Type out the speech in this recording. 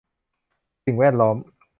สิ่งแวดล้อม